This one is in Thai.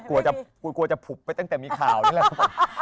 กลัวจะผุบไปตั้งแต่มีข่าวนี่แหละ